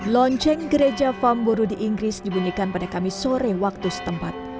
lonceng gereja famboru di inggris dibunyikan pada kamis sore waktu setempat